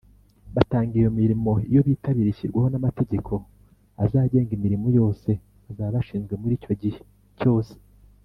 batanga iyo mirimo iyo bitabiriye ishyirwaho ry’amategeko azangenga imirimo yose bazaba bashinzwe muri icyo gihe cyose.